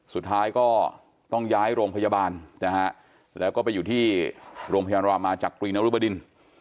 สุดท้ายก็ต้องย้ายโรงพยาบาลนะฮะแล้วก็ไปอยู่ที่โรงพยาบาลรามาจากกรีนรุบดิน